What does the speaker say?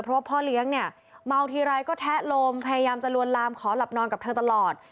เพราะว่าพ่อเลี้ยงเนี่ยเมาทีไรก็แทะลมพยายามจะลวนลามขอหลับนอนกับเธอตลอด